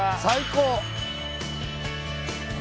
最高。